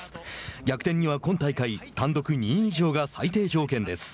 逆転には、今大会単独２位以上が最低条件です。